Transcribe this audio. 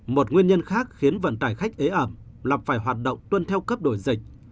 một nguyên nhân khác khiến vận tải khách ế ẩm là phải hoạt động tuân theo cấp đổi dịch